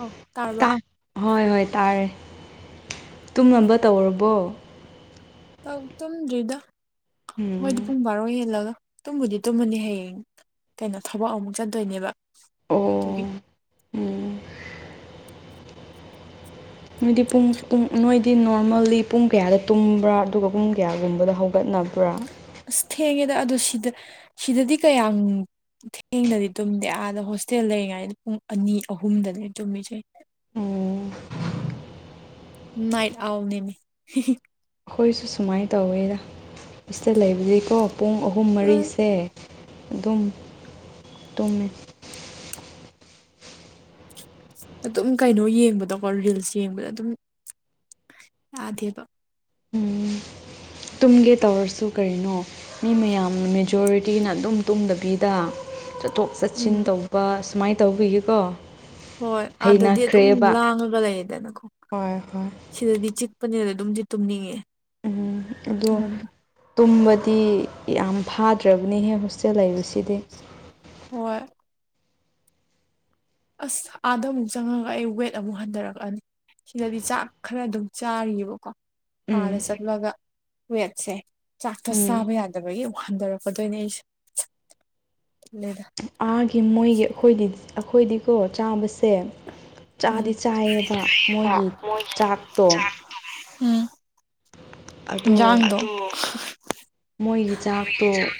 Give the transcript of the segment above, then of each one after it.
ꯑꯣ ꯇꯥꯔꯔꯕ ꯇꯥ ꯍꯣꯏ ꯍꯣꯏ ꯇꯥꯔꯦ ꯇꯨꯝꯅꯕ ꯇꯧꯔꯕꯣ ꯑꯧ ꯇꯨꯝꯗ꯭ꯔꯤꯗ ꯃꯣꯏꯗꯤ ꯎꯝ ꯄꯨꯡ ꯕꯥꯔꯣ ꯍꯦꯜꯂꯒ ꯇꯨꯝꯕꯨꯗꯤ ꯇꯨꯝꯃꯅꯤ ꯍꯌꯦꯡ ꯀꯩꯅꯣ ꯊꯕꯛ ꯑꯃꯨꯛ ꯆꯠꯇꯣꯏꯅꯦꯕ ꯀꯒꯤ ꯑꯣ [unintelligible] ꯎꯝ ꯅꯣꯏꯗꯤ ꯄꯨꯡ ꯅꯣꯏꯗꯤ ꯅꯣꯔꯃꯦꯜꯂꯤ ꯄꯨꯡ ꯀꯌꯥꯗ ꯇꯨꯝꯕ꯭ꯔꯥ ꯑꯗꯨꯒ ꯄꯨꯡ ꯀꯌꯥꯒꯨꯝꯕꯗ ꯍꯧꯒꯠꯅꯤ ꯅꯄ꯭ꯔꯥ ꯑꯁ ꯊꯦꯡꯉꯦꯗ ꯑꯗꯣ ꯁꯤꯗ ꯁꯤꯗꯗꯤ ꯀꯌꯥꯝ ꯊꯦꯡꯗꯗꯤ ꯇꯨꯝꯗꯦ ꯑꯥꯗ ꯍꯣꯁꯇꯦꯜ ꯂꯩꯔꯤꯉꯩꯗ ꯄꯨꯡ ꯑꯅꯤ ꯑꯍꯨꯝꯗꯅꯦ ꯇꯨꯝꯃꯤꯁꯦ [unintelligible] ꯎꯝ ꯅꯥꯏꯠ ꯑꯎꯠꯅꯦꯃꯤ ꯑꯩꯈꯣꯏꯁꯨ ꯁꯨꯃꯥꯏ ꯇꯧꯋꯦꯗ ꯑꯁꯤꯗ ꯂꯩꯕꯗꯤꯀꯣ ꯄꯨꯡ ꯑꯍꯨꯝ ꯎꯝ ꯃꯔꯤꯁꯦ ꯨꯇꯨꯝ ꯇꯨꯝꯃꯦ ꯑꯗꯨꯝ ꯀꯩꯅꯣ ꯌꯦꯡꯕꯗꯀꯣ ꯔꯤꯜꯁ ꯌꯦꯡꯕꯗ ꯑꯗꯨꯝ ꯇꯥꯗꯦꯕ ꯇꯨꯝꯒꯦ ꯇꯧꯔꯁꯨ ꯀꯔꯤꯅꯣ ꯃꯤ ꯃꯌꯥꯝꯅ ꯃꯦꯖꯣꯔꯤꯇꯤꯅ ꯑꯗꯨꯝ ꯇꯨꯝꯗꯕꯤꯗ ꯆꯠꯊꯣꯛ ꯆꯠꯁꯤꯟ ꯎꯝ ꯇꯧꯕ ꯁꯨꯃꯥꯏ ꯇꯧꯕꯤꯒꯦꯀꯣ ꯍꯣꯏ ꯑꯥꯗꯗꯤ ꯑꯗꯨꯝ ꯂꯥꯡꯉꯒ ꯂꯩꯗꯅꯀꯣ ꯍꯣꯏ ꯍꯣꯏ ꯁꯤꯗꯗꯤ ꯆꯤꯛꯄꯅꯤꯅ ꯑꯗꯨꯝꯗꯤ ꯇꯨꯝꯅꯤꯡꯉꯦ ꯎꯝ ꯑꯗꯣ ꯎꯝ ꯇꯨꯝꯕꯗꯤ ꯌꯥꯝ ꯐꯥꯗ꯭ꯔꯕꯅꯤꯍꯦ ꯍꯣꯁꯇꯦꯜ ꯂꯩꯕꯁꯤ ꯍꯣꯏ ꯑꯁ ꯑꯥꯗ ꯑꯃꯨꯛ ꯆꯪꯉꯒ ꯑꯩ ꯋꯦꯠ ꯑꯃꯨꯛ ꯍꯟꯊꯔꯛꯑꯅꯤ ꯁꯤꯗꯗꯤ ꯆꯥꯛ ꯈꯔ ꯑꯗꯨꯝ ꯆꯥꯔꯤꯑꯦꯕꯀꯣ ꯑꯥꯗ ꯎꯝ ꯆꯠꯄꯒ ꯋꯦꯠꯁꯦ ꯆꯥꯥꯛ ꯇ ꯎꯝ ꯁꯥꯕ ꯌꯥ ꯐꯕꯒꯤꯛ ꯑꯃꯨꯛ ꯍꯟꯊꯔꯛꯀꯗꯣꯏꯅꯦ ꯑꯩꯁꯦ [unintelligible] ꯑꯥꯒꯤ ꯃꯣꯏꯒꯤ ꯑꯩꯈꯣꯏ ꯑꯩꯈꯣꯏꯗꯤꯀꯣ ꯆꯥꯕꯁꯦ ꯎꯝ ꯆꯥꯗꯤ ꯆꯥꯏꯌꯦꯕ ꯃꯣꯏꯒꯤ ꯆꯥꯛꯇꯣ ꯎꯝ ꯑꯗꯣ ꯍꯤꯟꯖꯥꯡꯗꯣ ꯃꯣꯏꯒꯤ ꯆꯥꯛꯇꯣ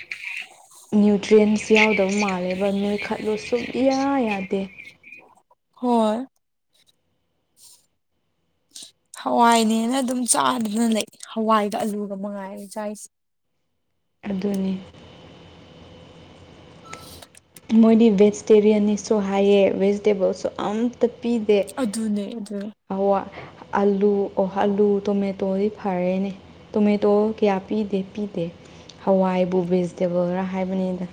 ꯅ꯭ꯌꯨꯇ꯭ꯔꯤꯌꯦꯟꯁ ꯏꯌꯥ ꯌꯥꯗꯦ ꯍꯣꯏ ꯍꯋꯥꯏꯅꯦꯅ ꯑꯗꯨꯝ ꯆꯥꯗꯅ ꯂꯩ ꯍꯋꯥꯏꯒ ꯑꯂꯨꯒ ꯃꯉꯥꯏꯔꯦ ꯆꯥꯔꯤꯁꯦ ꯑꯗꯨꯅꯤ ꯃꯣꯏꯗꯤ ꯚꯦꯖꯤꯇꯦꯔꯤꯌꯥꯟꯅꯤꯁꯨ ꯍꯥꯏꯌꯦ ꯚꯦꯖꯤꯇꯦꯕꯜꯁꯨ ꯑꯝꯇ ꯄꯤꯗꯦ ꯑꯗꯨꯅꯦ ꯑꯗꯨꯅꯦ ꯑꯋꯥ ꯑꯥꯂꯨ ꯑꯣ ꯑꯂꯨ ꯇꯣꯃꯦꯇꯣꯗꯤ ꯐꯔꯦꯅꯦ ꯇꯣꯃꯦꯇꯣ ꯀꯌꯥ ꯄꯤꯗꯦ ꯄꯤꯗꯦ ꯍꯋꯥꯏꯕꯨ ꯚꯦꯖꯤꯇꯦꯕꯜꯔꯥ ꯍꯥꯏꯕꯅꯤꯗ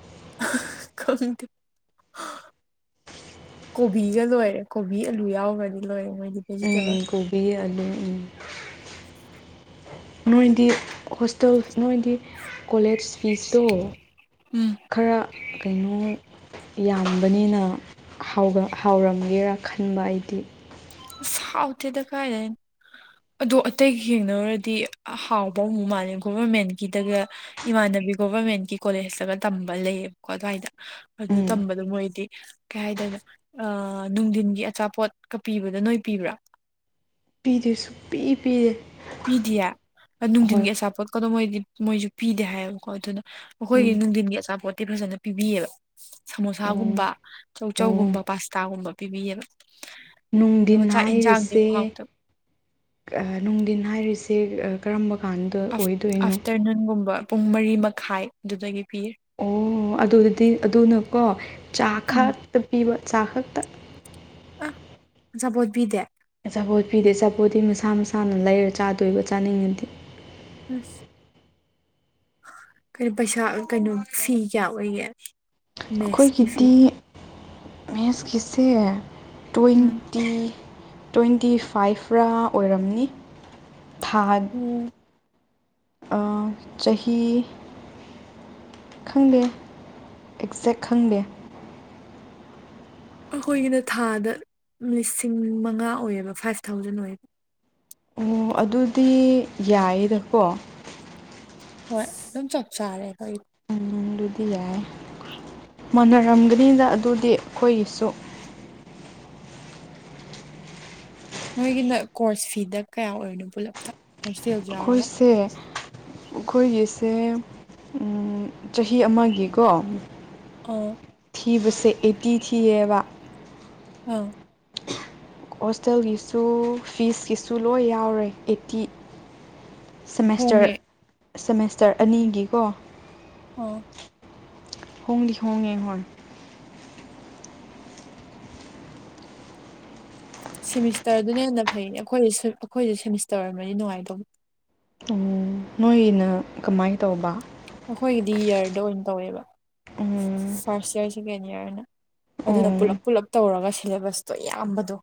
ꯈꯪꯗꯦ ꯀꯣꯕꯤꯒ ꯂꯣꯏꯔꯦ ꯀꯣꯕꯤ ꯑꯂꯨ ꯌꯥꯎꯒꯔꯗꯤ ꯂꯣꯏꯔꯦ ꯃꯣꯏꯗꯤ ꯎꯝ ꯚꯦꯖꯤꯇꯦꯕꯜ ꯀꯣꯕꯤ ꯑꯂꯨ ꯎꯝ ꯅꯣꯏꯗꯤ ꯍꯣꯁꯇꯦꯜ ꯅꯣꯏꯗꯤ ꯀꯣꯂꯦꯖ ꯐꯤꯁꯇꯣ ꯎꯝ ꯈꯔ ꯀꯩꯅꯣ ꯌꯥꯝꯕꯅꯤꯅ ꯍꯥꯎꯔꯝꯒꯦꯔ ꯈꯟꯕ ꯑꯩꯗꯤ ꯏꯁ ꯍꯥꯎꯇꯦꯗꯥ ꯀꯥꯏꯗꯩ ꯑꯗꯣ ꯑꯇꯩꯒ ꯌꯦꯡꯅꯔꯨꯔꯗꯤ ꯍꯥꯎꯕꯃꯨꯛ ꯃꯥꯜꯂꯦ ꯒꯣꯚꯔꯃꯦꯟꯒꯤꯗꯒ ꯏꯃꯥꯟꯅꯕ ꯒꯤ ꯒꯣꯕꯔꯃꯦꯟꯒꯤ ꯀꯣꯂꯦꯖꯇꯒ ꯇꯝꯕ ꯂꯦꯌꯦꯀꯣ ꯑꯗ꯭ꯋꯥꯏꯗ ꯑꯗꯨ ꯎꯝ ꯇꯝꯕꯗꯣ ꯃꯣꯏꯗꯤ ꯀꯩ ꯍꯥꯏꯇꯥꯔꯦ ꯀꯩꯅꯣ ꯑꯥ ꯅꯨꯡꯊꯤꯟꯒꯤ ꯑꯆꯥꯄꯣꯠꯀ ꯄꯤꯕꯗꯣ ꯅꯣꯏ ꯄꯤꯕ꯭ꯔꯥ ꯄꯤꯗꯦ ꯁꯨꯡꯄꯤ ꯄꯤꯗꯦ ꯄꯤꯗꯤꯌꯦ ꯑ ꯍꯣꯏ ꯅꯨꯡꯗꯤꯟꯒꯤ ꯑꯆꯥꯄꯣꯠꯀꯗꯣ ꯃꯣꯏꯗꯤ ꯃꯣꯏꯁꯨ ꯄꯤꯗꯦ ꯍꯥꯏꯌꯦꯕꯀꯣ ꯑꯗꯨꯅ ꯑꯈꯣꯏꯒꯤ ꯎꯝ ꯅꯨꯡꯗꯤꯟꯒꯤ ꯑꯆꯥꯄꯦꯠ ꯇꯤ ꯐꯖꯅ ꯄꯤꯕꯤꯌꯦꯕ ꯁꯃꯣꯁꯥꯒꯨꯝꯕ ꯑꯣ ꯆꯧ ꯆꯧ ꯑꯣ ꯒꯨꯝꯕ ꯄꯥꯁꯇꯥꯒꯨꯝꯕ ꯄꯤꯕꯤꯌꯦꯕ ꯑꯗꯨꯒ ꯅꯨꯡꯗꯤꯟ ꯆꯥꯛ ꯌꯦꯟꯁꯥꯡꯗꯤ ꯍꯥꯏꯔꯤꯁꯦ ꯑꯃꯨꯛ ꯍꯥꯎꯇꯕ ꯑ ꯅꯨꯡꯗꯤꯟ ꯍꯥꯏꯔꯤꯁꯦ ꯁꯦ ꯑ ꯀꯔꯝꯕ ꯀꯥꯟꯗ ꯑꯥꯐ ꯑꯣꯏꯗꯣꯏꯅꯣ ꯑꯥꯐꯇꯔꯅꯨꯟꯒꯨꯝꯕ ꯄꯨꯡ ꯃꯔꯤ ꯃꯈꯥꯏ ꯑꯗꯨꯗꯒꯤ ꯄꯤꯌꯦ ꯑꯣ ꯑꯗꯨꯗꯗꯤ ꯑꯗꯨꯅꯀꯣ ꯆꯥ ꯎꯝ ꯈꯛꯇ ꯄꯤꯕ ꯆꯥ ꯈꯛꯇ ꯑꯥ ꯑꯆꯥꯄꫭꯠ ꯄꯤꯗꯦ ꯆꯥꯄꯣꯠ ꯄꯤꯗꯦ ꯑꯆꯥꯄꯣꯠꯇꯤ ꯃꯁꯥ ꯃꯁꯥꯅ ꯂꯩꯔ ꯆꯥꯗꯣꯏꯕ ꯆꯥꯅꯤꯡꯉꯗꯤ ꯑꯁ ꯀꯔꯤ ꯄꯩꯁꯥ ꯑ ꯀꯩꯅꯣ ꯐꯤ ꯀꯌꯥ ꯑꯣꯏꯒꯦ ꯃꯦꯠꯁꯀꯤ ꯐꯤ ꯑꯈꯣꯏꯒꯤꯗꯤ ꯃꯦꯠꯁꯀꯤꯁꯦ ꯎꯝ ꯇ꯭ꯋꯦꯟꯇꯤ ꯇ꯭ꯋꯦꯟꯇꯤ ꯐꯥꯏꯚ ꯔꯥ ꯑꯣꯏꯔꯝꯅꯤ ꯊꯥ ꯎꯝ ꯑꯥ ꯆꯍꯤ ꯈꯪꯗꯦ ꯑꯦꯛꯖꯦꯛ ꯈꯪꯗꯦ ꯑꯩꯈꯣꯏꯒꯤꯅ ꯊꯥꯗ ꯂꯤꯁꯤꯡ ꯃꯉꯥ ꯑꯣꯏꯌꯦꯕ ꯐꯥꯏꯚ ꯊꯥꯎꯖꯟ ꯑꯣꯏꯌꯦ ꯑꯣ ꯑꯗꯨꯗꯤ ꯌꯥꯏꯌꯦꯗꯀꯣ ꯍꯣꯏ ꯗꯨꯝ ꯆꯞ ꯆꯥꯥꯔꯦ ꯀꯩꯅꫭ ꯑꯗꯨ ꯌꯥꯏ ꯂꯧꯁꯤꯟꯕ ꯉꯝꯗꯕ ꯃꯥꯟꯅꯔꯝꯒꯅꯤꯗ ꯑꯗꯨꯗꯤ ꯑꯩꯈꯣꯏꯒꯤꯁꯨ ꯅꯣꯏꯒꯤꯅ ꯀꯣꯔꯁ ꯐꯤꯗ ꯀꯌꯥ ꯑꯣꯏꯔꯤꯅꯣ ꯄꯨꯜꯂꯞꯇ ꯍꯣꯁꯇꯦꯜꯖꯨ ꯌꯥꯎꯔꯒ ꯑꯩꯈꯣꯏꯁꯦ ꯑꯩꯈꯣꯏꯒꯤꯁꯦ ꯎꯝ ꯆꯍꯤ ꯑꯃꯒꯤꯀꯣ ꯑꯣ ꯊꯤꯕꯁꯦ ꯑꯦꯠꯇꯤ ꯊꯤꯌꯦꯕ ꯑꯥ ꯍꯣꯁꯇꯦꯜꯒꯤꯁꯨ ꯐꯤꯁꯀꯤꯁꯨ ꯂꯣꯏ ꯌꯥꯎꯔꯦ ꯑꯩꯠꯇꯤ ꯁꯦꯃꯦꯁꯇꯔ ꯍꯣꯡꯉꯦ ꯁꯦꯃꯦꯁꯇꯔ ꯑꯅꯤꯒꯤꯀꯣ ꯑꯥ ꯍꯣꯡꯗꯤ ꯍꯣꯡꯉꯦ ꯍꯣꯏ ꯁꯦꯃꯤꯁꯇꯔꯗꯨꯅ ꯍꯦꯟꯅ ꯐꯩꯅꯦ ꯑꯩꯈꯣꯏꯗꯤ ꯁꯦꯝ ꯑꯩꯈꯣꯏꯗꯤ ꯁꯦꯃꯤꯁꯇꯔ ꯑꫭꯏꯔꯝꯃꯗꯤ ꯅꯨꯡꯉꯥꯏꯗꯧꯕ ꯎꯝ ꯅꯣꯏꯒꯤꯅ ꯀꯃꯥꯏ ꯇꯧꯕ ꯗꯤ ꯏꯌꯔꯗ ꯑꯣꯏꯅ ꯇꯧꯋꯦꯕ ꯎꯝ ꯐꯥꯔꯁ ꯏꯌꯥꯔ ꯁꯦꯀꯦꯟ ꯏꯌꯥꯔꯅ ꯑꯗꯨꯅ ꯄꯨꯂꯞ ꯑꯣ ꯄꯨꯂꯞ ꯇꯧꯔꯒ ꯁꯦꯂꯦꯕꯁꯇꯣ ꯌꯥꯝꯕꯗꯣ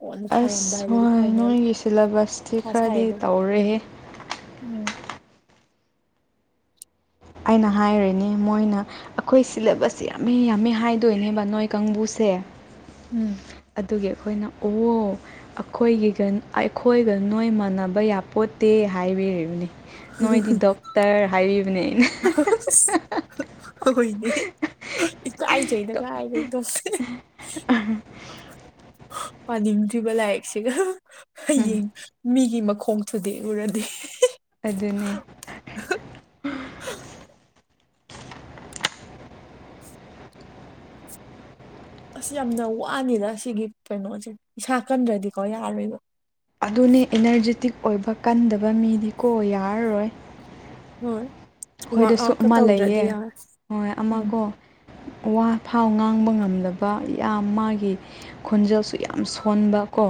ꯀꯣꯟꯅ ꯑꯁ ꯊꯥꯔꯝꯗꯥꯏꯗꯗꯤ ꯍꯣꯏ ꯐꯥꯏꯅꯦꯜ ꯅꯣꯏꯒꯤ ꯁꯤꯂꯦꯕꯁꯇꯤ ꯊꯥ ꯈꯔꯗꯤ ꯁꯥꯏꯗꯣ ꯇꯧꯔꯦꯍꯦ ꯎꯝ ꯑꯩꯅ ꯍꯥꯏꯔꯤꯅꯦ ꯃꯣꯏꯅ ꯑꯈꯣꯏ ꯁꯤꯂꯦꯕꯁ ꯁꯦ ꯌꯥꯝꯃꯦ ꯌꯥꯝꯃꯦ ꯍꯥꯏꯗꯣꯏꯅꯦꯕ ꯅꯣꯏ ꯀꯥꯡꯕꯨꯁꯦ ꯇꯦ ꯎꯝ ꯑꯗꯨꯒꯤ ꯑꯩꯈꯣꯏꯅ ꯑꯣ ꯑꯈꯣꯏꯒꯤꯒ ꯑꯥꯏ ꯑꯈꯣꯏꯒ ꯅꯣꯏ ꯃꯥꯟꯅꯕ ꯌꯥꯄꯣꯠꯇꯦ ꯍꯥꯏꯕꯤꯔꯤꯕꯅꯦ ꯅꯣꯏꯗꯤ ꯗꯣꯛꯇꯔ ꯍꯥꯏꯕꯤꯕꯅꯦ ꯑꯩꯅ ꯑꯍꯍ ꯍꯁ ꯍꯣꯏꯅꯦ ꯏꯀꯥꯏꯖꯩꯗ ꯀꯥꯏꯗꯩ ꯗꯣꯛꯇꯔ ꯍꯍ ꯄꯥꯅꯤꯡꯗ꯭ꯔꯤꯕ ꯂꯥꯏꯔꯤꯛꯁꯤꯒ ꯍꯍ ꯎꯝ ꯍꯌꯦꯡ ꯃꯤꯒꯤ ꯃꯈꯣꯡ ꯊꯨꯗꯦꯛꯎꯔꯗꯤ ꯑꯗꯨꯅꯦ ꯎꯝ ꯑꯁ ꯌꯥꯝꯅ ꯋꯥꯅꯤꯗ ꯑꯁꯤꯒꯤꯒꯤ ꯀꯩꯅꯣꯁꯦ ꯏꯁꯥ ꯀꯟꯗ꯭ꯔꯗꯤꯀꯣ ꯌꯥꯔꯣꯏꯕ ꯑꯗꯨꯅꯦ ꯏꯅꯔꯖꯤꯦꯇꯤꯛ ꯑꯣꯏꯕ ꯀꯟꯗꯕ ꯃꯤꯗꯤ ꯀꯣ ꯌꯥꯔꯔꯣꯏ ꯍꯣꯏ ꯋꯥꯔꯛ ꯑꯩꯈꯣꯏꯗꯁꯨ ꯑꯥꯎꯠꯀ ꯑꯃ ꯂꯩꯌꯦ ꯇꯧꯗ꯭ꯔꯗꯤ ꯌꯥꯔꯣꯏ ꯍꯣꯏ ꯑꯃ ꯎꯝ ꯀꯣ ꯋꯥ ꯐꯥꯎ ꯉꯥꯡꯕ ꯉꯝꯂꯕ ꯌꯥꯝ ꯃꯥꯒꯤ ꯈꯣꯟꯖꯦꯜ ꯁꯨ ꯌꯥꯝ ꯁꯣꯟꯕ ꯀꯣ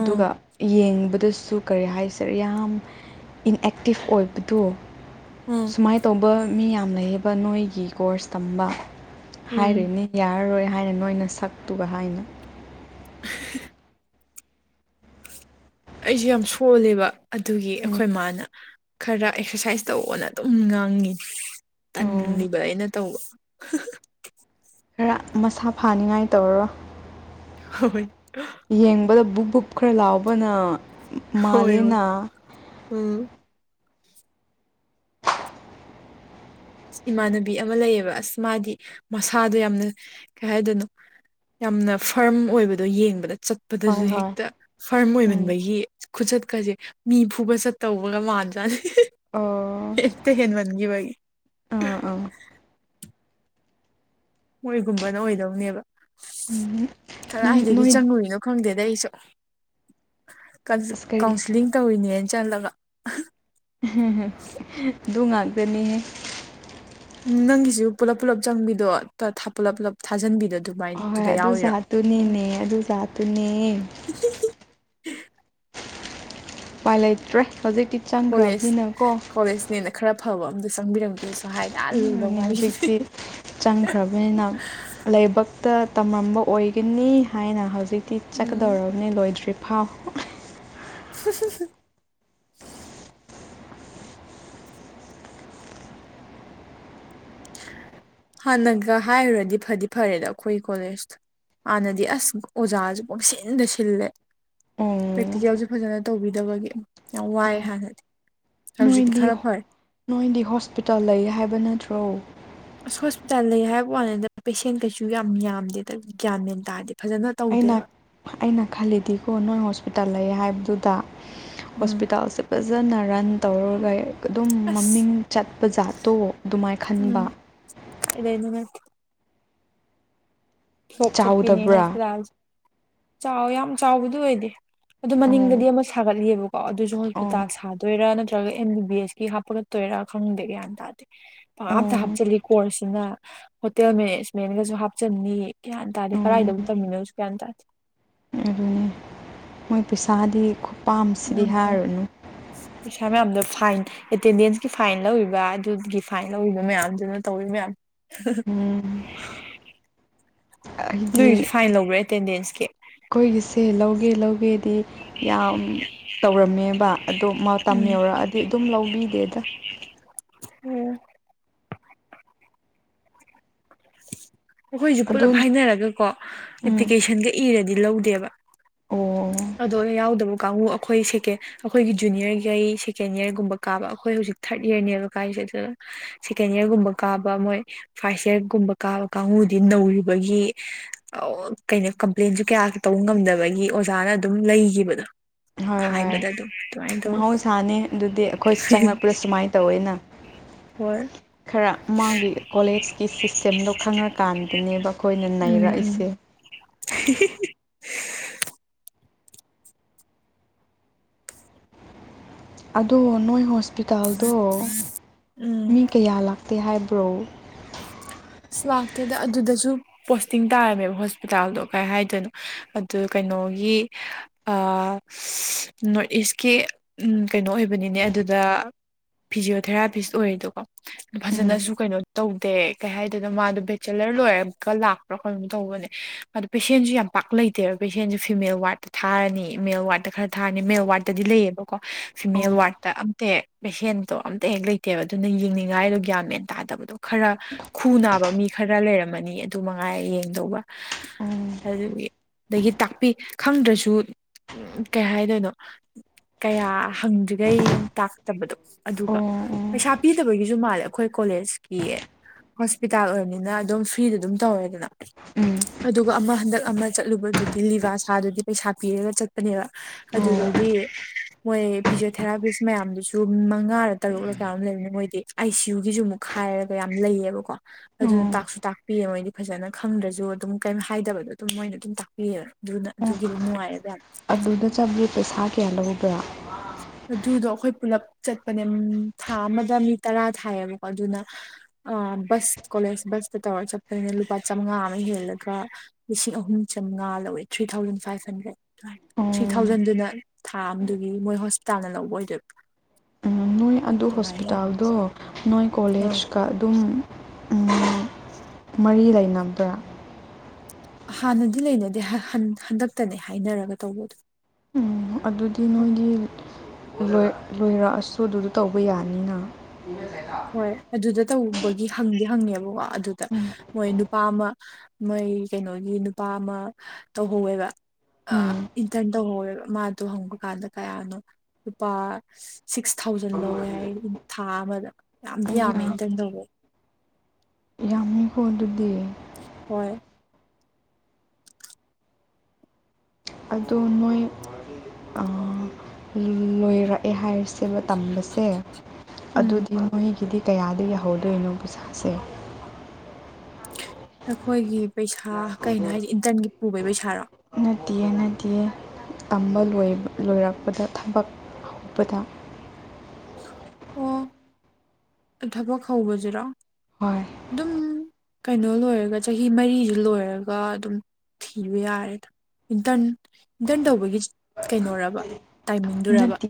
ꯑꯥ ꯌꯦꯡ ꯗꯁꯨ ꯀꯔꯤ ꯍꯥꯏꯁꯔꯦ ꯌꯥꯝ ꯏꯟꯑꯛꯇꯤꯞ ꯑꯣꯏꯕꯗꯣ ꯎꯝ ꯁꯨꯃꯥꯏꯅ ꯇꯧꯕ ꯃꯤ ꯌꯥꯝ ꯂꯩꯌꯦꯕ ꯅꯣꯏꯒꯤ ꯀꯣꯔꯁ ꯇꯝꯕ ꯎꯝ ꯍꯥꯏꯔꯅꯦ ꯌꯥꯔꯔꯣꯏ ꯍꯥꯏꯅ ꯅꯣꯏꯅ ꯁꯛꯇꯨꯒ ꯍꯥꯏꯅ ꯑꯩꯁꯨ ꯌꯥꯝ ꯁꯣꯜꯂꯦꯕ ꯑꯗꯨꯒꯤ ꯎꯝ ꯑꯩꯈꯣꯏ ꯏ ꯃꯥꯅ ꯈꯔ ꯑꯦꯛꯁꯔꯁꯥꯏꯁ ꯇꯧꯅ ꯑꯗꯨꯝ ꯉꯥꯡꯉꯤ ꯑꯣ ꯇꯟꯜꯂꯤꯕ ꯑꯩꯅ ꯇꯧꯕ ꯈꯔ ꯃꯁꯥ ꯐꯥꯅꯤꯡꯉꯥꯏ ꯇꯧꯔꯔꯣ ꯍ ꯍꯣꯏ ꯌꯦꯡꯕꯗ ꯕꯨꯛ ꯕꯨꯛ ꯈꯔ ꯂꯥꯎꯕꯅ ꯍꯣꯏ ꯍꯣꯏ ꯃꯥꯂꯅꯥ ꯎꯝ ꯏꯃꯥꯟꯅꯕꯤ ꯑꯃ ꯂꯩꯌꯦꯕ ꯑꯁ ꯃꯥꯗꯤ ꯃꯁꯥꯗꯣ ꯌꯥꯝꯅ ꯀꯩ ꯍꯥꯏꯗꯣꯏꯅꯣ ꯌꯥꯝꯅ ꯐꯥꯔꯝ ꯑꯣꯏꯕꯗꯣ ꯌꯦꯡꯕꯗ ꯍꯣꯏ ꯆꯠꯄꯗꯁꯨ ꯍꯣꯏ ꯍꯦꯛꯇ ꯐꯥꯔꯝ ꯎꯝ ꯑꯣꯏꯃꯟꯕꯒꯤ ꯈꯨꯆꯠꯀꯁꯦ ꯃꯤ ꯐꯨꯕ ꯆꯠꯇꯧꯕꯒ ꯃꯥꯟꯖꯥꯠꯦ ꯑꯣ ꯑꯦꯠꯇ ꯍꯟ ꯃꯅꯤꯡꯒ ꯏꯕꯒꯤ ꯑꯥ ꯑꯥ ꯃꯣꯏꯒꯨꯝꯕꯅ ꯑꯣꯏꯗꯧꯅꯦꯕ ꯎꯝ ꯅꯪ ꯀꯗꯥꯏꯗꯒꯤ ꯅꯣꯏ ꯆꯪꯉꯨꯏꯅꯣ ꯈꯪꯗꯦꯗ ꯑꯩꯁꯨ ꯑꯁ ꯀꯔꯤ ꯀꯥꯎꯟꯁꯤꯂꯤꯡ ꯇꯧꯔꯤꯅꯦꯅ ꯆꯜꯂꯒ ꯑꯗꯨ ꯉꯥꯛꯇꯅꯤꯍꯦ ꯎꯝ ꯅꯪꯒꯤꯁꯨ ꯄꯨꯂꯞ ꯄꯨꯂꯞ ꯆꯪꯕꯤꯗꯣ ꯄꯨꯂꯞ ꯄꯨꯂꯞ ꯊꯥꯖꯟꯕꯤꯗ ꯑꯍꯣꯏ ꯑꯗꯨ ꯖꯥꯠꯇꯨꯅꯦꯅꯦ ꯑꯗꯨ ꯖꯥꯠꯇꯨꯅꯦ [inaudible] [unintelligible] ꯎꯄꯥꯏ ꯂꯩꯇ꯭ꯔꯦ ꯍꯧꯖꯤꯛꯇꯤ ꯆꯪꯈ꯭ꯔꯕꯅꯤꯅꯀꯣ ꯑꯐꯕ ꯑꯝꯇ ꯆꯪꯕꯤꯔꯝꯒꯦꯁꯨ ꯍꯥꯏ ꯑꯗꯨꯅꯤ ꯍꯧꯖꯤꯛꯇꯤ ꯆꯪꯈ꯭ꯔꯕꯅꯤꯅ ꯂꯥꯏꯕꯛ ꯇ ꯇꯝꯔꯝꯕ ꯑꯣꯏꯒꯅꯤ ꯍꯥꯏꯅ ꯍꯧꯖꯤꯛꯇꯤ ꯎꯝ ꯆꯠꯀꯗꯧꯔꯕꯅꯤ ꯂꯣꯏꯗ꯭ꯔꯤꯕ ꯐꯥꯎ [inaudible] [unintelligible] ꯍꯥꯟꯅꯒ ꯍꯥꯏꯔꯨꯔꯗꯤ ꯐꯗꯤ ꯐꯔꯦꯗ ꯑꯩꯈꯣꯏ ꯀꯣꯂꯦꯖꯇ ꯍꯥꯟꯅꯗꯤ ꯑꯁ ꯑꯣꯖꯥꯖ ꯀꯨꯝꯁꯤꯟꯗ ꯁꯤꯜꯂꯦ ꯑꯣ ꯄ꯭ꯔꯦꯛꯇꯤꯀꯦꯜꯁꯨ ꯐꯖꯅ ꯇꯧꯕꯤꯗꯕꯒꯤ ꯌꯥꯝ ꯋꯥꯏꯑꯦ ꯑꯣ ꯍꯥꯟꯅꯗꯤ ꯍꯧꯖꯤꯛꯇꯤ ꯅꯣꯏꯗꯤ ꯈꯔ ꯐꯔꯦ ꯅꯣꯏꯗꯤ ꯍꯣꯁꯄꯤꯇꯥꯜ ꯂꯩ ꯍꯥꯏꯕ ꯅꯠꯇ꯭ꯔꯣ ꯑꯁ ꯍꯣꯁꯄꯤꯇꯥꯜ ꯂꯩ ꯍꯥꯏꯕ ꯋꯥꯅꯦꯗ ꯄꯦꯁꯦꯟ ꯀꯩꯁꯨ ꯌꯥꯝ ꯌꯥꯝꯗꯦꯗ ꯭ꯌꯥꯟ ꯃꯦꯟ ꯇꯥꯗꯦ ꯐꯖꯅ ꯑꯩꯅ ꯇꯧꯗꯦꯕ ꯑꯩꯅ ꯈꯜꯂꯤꯗꯤꯀꯣ ꯅꯣꯏ ꯍꯣꯁꯄꯤꯇꯥꯜ ꯂꯩ ꯍꯥꯏꯕꯗꯨꯗ ꯎꯝ ꯍꯣꯁꯄꯤꯇꯥꯜꯁꯦ ꯐꯖꯅ ꯔꯟ ꯇꯧꯔꯒ ꯑꯗꯨꯝ ꯑꯁ ꯃꯃꯤꯡ ꯆꯠꯄ ꯖꯥꯠꯇꯣ ꯑꯗꯨꯃꯥꯏꯅ ꯈꯟꯕ ꯑꯗꯨꯗꯅ ꯁꯣꯛ ꯆꯠꯄꯤꯅꯤ ꯆꯥꯎꯗꯕ꯭ꯔꯥ ꯍꯣꯁꯄꯤꯇꯥꯜꯁꯦ ꯆꯥꯎ ꯌꯥꯝ ꯆꯥꯎꯕꯗꯤ ꯑꯣꯏꯗꯦ ꯑꯗꯨ ꯃꯅꯤꯡꯗꯗꯤ ꯑꯣ ꯑꯃꯨꯛ ꯁꯥꯒꯠꯂꯤꯦꯕꯀꯣ ꯑꯗꯨꯁꯨ ꯑꯣ ꯍꯣꯁꯄꯤꯇꯥꯜ ꯁꯥꯗꯣꯏꯔꯥ ꯅ ꯅꯠꯇ꯭ꯔꯒ ꯑꯦꯝ ꯕꯤ ꯕꯤ ꯑꯦꯁ ꯀꯤ ꯍꯥꯞꯄꯒꯠꯇꯣꯏꯔꯥ ꯈꯪꯗꯦ ꯒ꯭ꯌꯥꯟ ꯇꯥꯗꯦ ꯄꯥ ꯑꯣ ꯑꯝꯇ ꯍꯥꯞꯆꯤꯜꯂꯤ ꯀꯣꯔꯁꯁꯤꯅ ꯍꯣꯇꯦꯜ ꯃꯦꯅꯦꯖꯃꯦꯟꯒꯁꯨ ꯍꯥꯞꯆꯟꯅꯤ ꯀꯒꯌꯥꯟ ꯇꯥꯔꯦ ꯀꯗꯥꯥꯏꯗꯕꯨ ꯇꯝꯃꯤꯅꯣꯁꯨ ꯭ꯌꯥꯟ ꯇꯥꯔꯦ ꯑꯗꯨꯅꯤ ꯃꯣꯏ ꯄꯩꯁꯥꯗꯤ ꯈꯨ ꯄꯥꯝꯁꯤꯗꯤ ꯍꯥꯏꯔꯨꯅꯨ ꯄꯩꯥ ꯃꯌꯥꯝꯗꯣ ꯐꯥꯏꯟ ꯑꯦꯇꯦꯟꯗꯦꯟꯁꯀꯤ ꯐꯥꯏꯟ ꯂꯧꯔꯤꯕ ꯑꯗꯨꯒꯤ ꯐꯥꯏꯟ ꯂꯧꯔꯤꯕ ꯃꯌꯥꯝꯗꯨꯅ ꯇꯧꯋ ꯃꯌꯥꯝ ꯎꯝ ꯅꯣꯏ ꯑꯩꯗꯤ ꯍꯧꯖꯤꯛ ꯐꯥꯏꯟ ꯂꯧꯕ꯭ꯔꯥ ꯑꯦꯇꯦꯟꯗꯦꯟꯁꯀꯤ ꯑꯩꯈꯣꯏꯒꯤꯁꯦ ꯂꯧꯒꯦ ꯂꯧꯒꯦꯗꯤ ꯌꯥꯝ ꯇꯧꯔꯝꯃꯦꯕ ꯑꯗꯣ ꯃꯇꯝ ꯎꯝ ꯌꯧꯔꯛꯑꯗꯤ ꯑꯗꯨꯝ ꯂꯧꯕꯤꯗꯦꯗ ꯑꯣ ꯑꯩꯈꯣꯏꯁꯨ ꯑꯗꯨ ꯄꯨꯂꯞ ꯍꯥꯏꯅꯔꯒꯀꯣ ꯎꯝ ꯑꯦꯄ꯭ꯂꯤꯀꯦꯁꯟꯒ ꯏꯔꯗꯤ ꯂꯧꯗꯦꯕ ꯑꯣ ꯑꯗꯣ ꯌꯥꯎꯗꯕ ꯀꯥꯡꯕꯨ ꯑꯩꯈꯣꯏ ꯁꯦꯀꯦꯟ ꯑꯩꯈꯣꯏꯒꯤ ꯖꯨꯅꯤꯌꯔꯒꯤ ꯑꯩ ꯁꯦꯀꯦꯟ ꯏꯔꯒꯨꯝꯕ ꯀꯥꯕ ꯑꯩꯈꯣꯏ ꯍꯧꯖꯤꯛ ꯊꯥꯔꯗ ꯌꯔꯅꯦꯕ ꯀꯥꯏꯁꯦ ꯁꯦꯀꯦꯟ ꯏꯌꯥꯔꯒꯨꯝꯕ ꯀꯥꯕ ꯃꯣꯏ ꯐꯥꯔꯁ ꯏꯌꯥꯔꯒꯨꯝꯕ ꯀꯥꯕ ꯀꯥꯡꯕꯨꯗꯤ ꯅꯧꯔꯤꯕꯒꯤ ꯀꯩꯅꯣ ꯀꯝꯄ꯭ꯂꯦꯟꯁꯨ ꯀꯌꯥ ꯇꯧꯕ ꯉꯝꯗꯕꯒꯤ ꯑꯣꯖꯥꯅ ꯑꯗꯨꯝ ꯂꯩꯈꯤꯕꯗꯣ ꯍꯥꯏꯕꯗ ꯑꯗꯨꯝ ꯑꯗꯨꯃꯥꯏꯅ ꯇꯧꯋꯤ ꯃꯍꯧꯁꯥꯅꯤ ꯑꯗꯨꯗꯤ ꯑꯩꯈꯣꯏꯁ ꯆꯪꯂꯛꯄꯗ ꯁꯨꯃꯥꯏꯅ ꯇꯧꯋꯦꯅ ꯍꯣꯏ ꯈꯔ ꯃꯥꯒꯤ ꯀꯣꯂꯦꯖꯀꯤ ꯁꯤꯁꯇꯦꯝꯗꯣ ꯈꯪꯔꯀꯥꯟꯗꯅꯦꯕ ꯑꯩꯈꯣꯏꯅ ꯎꯝ ꯎꯝ ꯅꯩꯔꯛꯏꯁꯦ [unintelligible] ꯑꯗꯣ ꯅꯣꯏ ꯍꯣꯁꯄꯤꯇꯥꯜꯗꯣ ꯎꯝ ꯃꯤ ꯀꯌꯥ ꯂꯥꯛꯇꯦ ꯍꯥꯏꯕ ꯀ꯭ꯔ ꯑꯁ ꯂꯥꯛꯇꯦꯗ ꯑꯗꯨꯗꯁꯨ ꯄꯣꯁꯇꯤꯡ ꯇꯥꯔꯝꯃꯦꯕ ꯍꯣꯁꯄꯤꯇꯥꯜꯗꯣ ꯀꯩ ꯍꯥꯏꯗꯣꯏꯅꯣ ꯑꯗꯨ ꯀꯩꯅꯣ ꯀꯩꯅꯣ ꯐꯤꯖꫭꯊꯦꯔꯥꯄꯤꯁ ꯑꯣꯏꯔꯦꯗꯀꯣ ꯎꯝ ꯐꯖꯅꯁꯨ ꯀꯩꯅꯣ ꯇꯧꯗꯦ ꯀꯩ ꯍꯥꯏꯗꯅ ꯃꯥꯗꯣ ꯕꯦꯆꯦꯂꯔ ꯂꯣꯏꯔꯒ ꯂꯥꯛꯄ꯭ꯔꯥ ꯀꯩꯅꯣ ꯇꯧꯕꯅꯦ ꯃꯥꯗ ꯄꯦꯁꯦꯟꯁꯨ ꯌꯥꯝ ꯄꯥꯛ ꯂꯩꯇꯦꯕ ꯄꯦꯁꯦꯟꯁꯨ ꯐꯤꯃꯦꯜ ꯋꯥꯔꯗꯠꯇ ꯊꯥꯔꯅꯤ ꯃꯦꯜ ꯋꯥꯔꯗꯠꯇ ꯈꯔ ꯊꯥꯔꯅꯤ ꯃꯦꯜ ꯋꯥꯔꯗꯠꯇꯗꯤ ꯂꯩꯌꯦꯕꯀꯣ ꯐꯤꯃꯦꯜ ꯑꯣ ꯋꯥꯔꯗ ꯑꯝꯇ ꯍꯦꯛ ꯄꯦꯁꯦꯟꯇꯣ ꯑꯝꯇ ꯍꯦꯛ ꯂꯩꯇꯦꯕ ꯑꯗꯨꯅ ꯌꯦꯡꯅꯤꯡꯉꯥꯏꯗꯣ ꯒ꯭ꯌꯥꯟ ꯃꯦꯟ ꯇꯥꯗꯕꯗꯣ ꯈꯔ ꯈꯨ ꯅꯥꯕ ꯃꯤ ꯈꯔ ꯂꯩꯔꯝꯃꯅꯤ ꯑꯗꯨ ꯃꯉꯥꯏꯔ ꯌꯦꯡꯗꯧꯕ ꯑꯣ ꯑꯗꯨꯒꯤ ꯑꯗꯒꯤ ꯇꯥꯛꯄꯤ ꯈꯪꯗ꯭ꯔꯁꯨ ꯎꯝ ꯀꯩ ꯍꯥꯏꯗꯣꯏꯅꯣ ꯀꯌꯥ ꯍꯪꯗ꯭ꯔꯤꯈꯩ ꯇꯥꯛꯇꯕꯗꯣ ꯑꯗꯨꯒ ꯑꯣ ꯎꯝ ꯄꯩꯁꯥ ꯄꯤꯗꯕꯒꯤꯁꯨ ꯃꯥꯜꯂꯦ ꯑꯩꯈꯣꯏ ꯀꯣꯂꯦꯖꯀꯤ ꯍꯣꯁꯄꯤꯇꯥꯜ ꯑꯣꯏꯕꯅꯤꯅ ꯑꯗꯨꯝ ꯐ꯭ꯔꯤꯗ ꯑꯗꯨꯝ ꯇꯧꯋꯦꯗꯅ ꯎꯝ ꯑꯗꯨꯒ ꯑꯃ ꯍꯟꯗꯛ ꯑꯃ ꯆꯠꯂꯨꯕꯗꯨꯗꯤ ꯂꯤꯕꯥꯁꯥꯗꯨꯗꯤ ꯄꯩꯁꯥ ꯄꯤꯔꯒ ꯆꯠꯄꯅꯦꯕ ꯑꯣ ꯑꯗꯨꯗꯗꯤ ꯃꯣꯏ ꯐꯤꯖꯤꯣꯊꯦꯔꯥꯄꯤꯁ ꯃꯌꯥꯝꯗꯨꯁꯨ ꯃꯉꯥꯔ ꯇꯔꯨꯛ ꯀꯌꯥ ꯂꯩꯔꯅꯤ ꯃꯣꯏꯗꯤ ꯑꯥꯏ ꯁꯤ ꯌꯨꯒꯤꯁꯨ ꯑꯃꯨꯛ ꯍꯥꯏꯔ ꯀꯌꯥꯝ ꯌꯥꯝ ꯂꯩꯌꯦꯕ ꯀꯣ ꯑꯣ ꯑꯗꯨꯅ ꯇꯥꯛꯁꯨ ꯇꯥꯛꯄꯤꯌꯦ ꯃꯣꯏꯗꯤ ꯐꯖꯅ ꯈꯪꯗ꯭ꯔꯁꯨ ꯑꯗꯨꯝ ꯀꯩ ꯍꯥꯏꯗꯕꯗꯣ ꯑꯗꯨꯝ ꯃꯣꯏꯅ ꯑꯗꯨꯝ ꯇꯥꯛꯄꯤꯑꯕ ꯅ ꯑꯣ ꯙꯨꯒꯤ ꯂꯅꯅꯨꯡꯉꯗ ꯑꯗꯨꯗ ꯆꯠꯕꯗꯤ ꯄꯩꯁꯥ ꯀꯌꯥ ꯂꯧꯕ꯭ꯔꯥ [unintelligible] ꯑꯗꯨꯗꯣ ꯑꯩꯈꯣꯏ ꯄꯨꯂꯞ ꯆꯠꯄꯅꯦ ꯊꯥ ꯑꯃꯗ ꯃꯤ ꯇꯔꯥ ꯊꯥꯏꯌꯦꯕꯀꯣ ꯑꯗꯨꯅ ꯕꯁ ꯀꯣꯂꯦꯖ ꯕꯁꯇ ꯇꯧꯔꯒ ꯆꯠꯄꯅꯤꯅ ꯂꯨꯄꯥ ꯆꯥꯃꯉꯥ ꯑꯃ ꯍꯦꯜꯂꯒ ꯂꯤꯁꯤꯡ ꯑꯍꯨꯝ ꯆꯉꯥ ꯂꯧꯋꯦ ꯊ꯭ꯔꯤ ꯊꯥꯎꯖꯟ ꯐꯥꯏꯚ ꯍꯟꯗ꯭ꯔꯦꯠ ꯑꯣ ꯊ꯭ꯔꯤ ꯊꯥꯎꯖꯟꯗꯨꯅ ꯊꯥ ꯑꯃꯗꯨꯒꯤ ꯃꯣꯏ ꯍꯣꯁꯄꯤꯇꯥꯜꯅ ꯂꯧꯕ ꯑꯣꯏꯗꯣꯏꯔꯤꯕ꯭ꯔꯥ ꯅꯣꯏ ꯑꯗꯨ ꯍꯣꯁꯄꯤꯇꯥꯜꯗꯣ ꯅꯣꯏ ꯑꯥ ꯀꯣꯂꯦꯖꯀ ꯑꯗꯨꯝ ꯃꯔꯤ ꯂꯩꯅꯕ꯭ꯔꯥ ꯍꯥꯟꯅꯗꯤ ꯂꯩꯅꯗꯦ ꯍꯟꯗꯛꯇꯅꯦ ꯍꯥꯏꯅꯔꯒ ꯇꯧꯕꯗ ꯎꯝ ꯑꯗꯨꯗꯤ ꯅꯣꯏꯒꯤ ꯂꯣꯏꯔꯛꯑꯁꯨ ꯑꯗꯨꯗꯣ ꯇꯧꯕ ꯌꯥꯅꯤꯅ ꯍꯣꯏ ꯑꯗꯨꯗ ꯇꯧꯕꯒꯤ ꯍꯪꯗꯤ ꯍꯪꯉꯦꯕꯀꯣ ꯑꯗꯨꯗ ꯎꯝ ꯃꯣꯏ ꯅꯨꯄꯥ ꯑꯃ ꯃꯣꯏ ꯀꯩꯅꯣꯒꯤ ꯅꯨꯄꯥ ꯑꯃ ꯇꯧꯍꯧꯋꯦꯕ ꯑ ꯎꯝ ꯏꯟꯇꯔꯟ ꯇꯧꯍꯧꯋꯦꯕ ꯃꯥꯗꯣ ꯍꯪꯕ ꯀꯥꯟꯗ ꯀꯌꯥꯅꯣ ꯂꯨꯄꯥ ꯁꯤꯛꯁ ꯊꯥꯎꯖꯟ ꯂꯧꯋꯦ ꯍꯥꯏ ꯊꯥ ꯑꯃꯗ ꯌꯥꯝꯗꯤ ꯌꯥꯝꯃꯦ ꯑꯩꯌꯥ ꯏꯟꯇꯔꯟ ꯇꯧꯕ ꯃꯤ ꯀꯣ ꯑꯗꯨꯗꯤ ꯍꯣꯏ ꯑꯗꯣ ꯅꯣꯏ ꯍꯥꯏ ꯇ ꯑꯗꯨ ꯎꯝ ꯃ ꯀꯌꯥꯗ ꯌꯥꯧꯍꯧꯗꯣꯏꯅꯣ ꯄꯩꯁꯥꯁꯦ ꯑꯩꯈꯣꯏꯒꯤ ꯄꯩꯁꯥ ꯀꯩꯅꯣ ꯍꯥꯏꯁꯦ ꯏꯟꯇꯔꯟꯒꯤ ꯄꯨꯕꯒꯤ ꯄꯩꯁꯥꯔꯣ ꯅꯠꯇꯦ ꯅꯠꯇꯦꯦ ꯇꯝꯕꯣꯏ ꯂꯣꯏꯔꯛꯄꯗ ꯊꯕꯛ ꯍꯞꯄꯗ ꯑꯣ ꯊꯕꯛ ꯍꯧꯕꯁꯤꯔꯣ ꯍꯣꯏ ꯑꯗꯨꯝ ꯀꯩꯅꯣ ꯂꯣꯏꯔꯒ ꯆꯍꯤ ꯃꯔꯤꯁꯤ ꯂꯣꯏꯔꯒ ꯑꯗꯨꯝ ꯊꯤꯕ ꯌꯥꯔꯦꯗ ꯏꯟꯇꯔꯟ ꯏꯟꯇꯔꯟ ꯇꯧꯕꯒꯤ ꯀꯩꯅꯣꯔꯕ ꯇꯥꯏꯃꯤꯡꯗꯨꯔꯕ ꯅꯠꯇꯦ